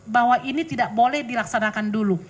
bahwa ini tidak boleh dilaksanakan dulu